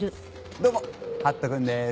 どうもハットくんです。